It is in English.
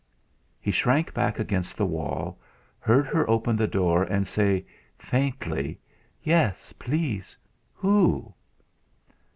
He shrank back against the wall; heard her open the door and say faintly: "Yes. Please! Who?"